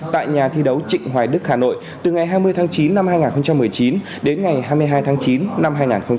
tại nhà thi đấu trịnh hoài đức hà nội từ ngày hai mươi tháng chín năm hai nghìn một mươi chín đến ngày hai mươi hai tháng chín năm hai nghìn hai mươi